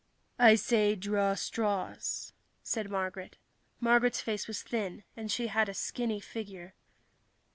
"I say, draw straws," said Marguerite. Marguerite's face was thin, and she had a skinny figure.